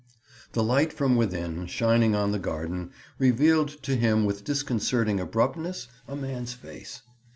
The light from within, shining on the garden, revealed to him with disconcerting abruptness a man's face.